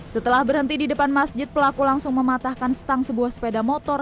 setelah berhenti di depan masjid pelaku langsung mematahkan setang sebuah sepeda motor